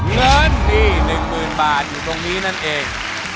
เงินที่๑๐๐๐บาทอยู่ตรงนี้นั่นเอง